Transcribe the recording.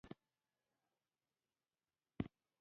زه حیران شوم چې دلته څو لمونځونه کېږي.